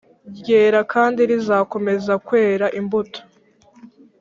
ryera kandi rizakomeza kwera imbuto